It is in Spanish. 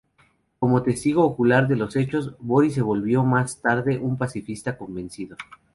Como testigo ocular de los hechos, Boris se volvió más tarde un pacifista convencido.